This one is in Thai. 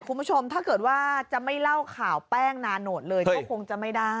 คุณผู้ชมถ้าเกิดว่าจะไม่เล่าข่าวแป้งนาโนตเลยก็คงจะไม่ได้